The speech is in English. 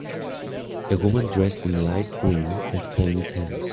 A woman dressed in light green and playing tennis.